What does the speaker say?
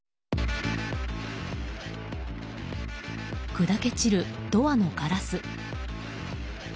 砕け散るドアのガラス。